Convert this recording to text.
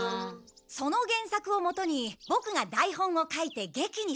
その原作をもとにボクが台本を書いて劇にする。